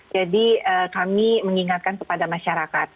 jadi kami mengingatkan kepada masyarakat